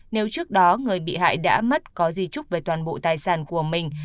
nếu trước đó người bị hại đã mất có di chúc về toàn bộ tài sản của mình